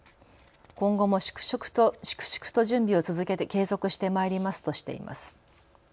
今後も粛々と準備を続けて継続してまいりますとしています。